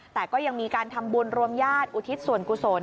แต่ก็ยังมีการทำบุญรวมญาติอุทิศส่วนกุศล